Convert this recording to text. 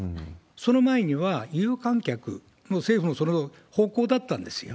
その前には有観客、政府のその方向だったんですよ。